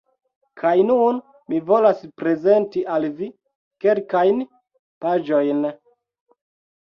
Kaj nun mi volas prezenti al vi kelkajn paĝojn